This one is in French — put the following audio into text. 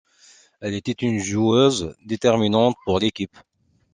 Elle était une joueuse déterminante pour l'équipe.